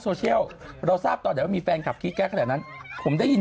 โซเชียลเราทราบตอนเดี๋ยวมีแฟนกลับคิดแค่นั้นผมได้ยิน